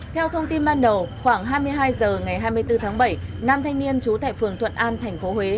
theo thông tin ban đầu khoảng hai mươi hai h ngày hai mươi bốn tháng bảy nam thanh niên trú tại phường thuận an tp huế